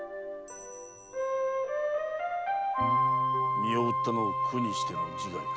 身を売ったのを苦にしての自害か。